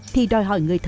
thì đòi hỏi người thợ